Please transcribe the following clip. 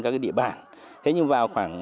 các địa bàn thế nhưng vào khoảng